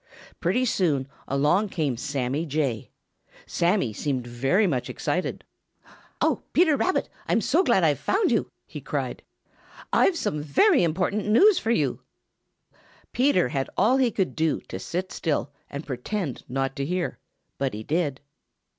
Pretty soon along came Sammy Jay. Sammy seemed very much excited. "Oh, Peter Rabbit, I'm so glad I've found you!" he cried. "I've some very important news for you." Peter had all he could do to sit still and pretend not to hear, but he did.